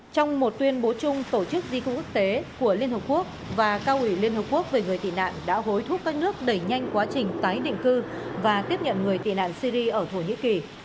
trong một tuyên bố chung tổ chức di cư quốc tế của liên hợp quốc và cao ủy liên hợp quốc về người tị nạn đã hối thúc các nước đẩy nhanh quá trình tái định cư và tiếp nhận người tị nạn syri ở thổ nhĩ kỳ